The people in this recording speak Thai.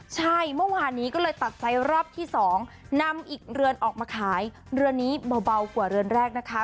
ใช่เมื่อวานนี้ก็เลยตัดใจรอบที่๒นำอีกเรือนออกมาขายเรือนนี้เบากว่าเรือนแรกนะคะ